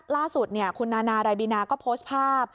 ล่าสุดคุณนานารายบินาก็โพสต์ภาพ